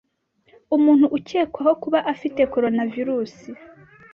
umuntu ukekwaho kuba afite coronavirus